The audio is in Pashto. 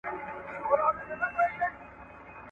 ځیني سپین ږیري وایي چي ملاله نورزۍ وه.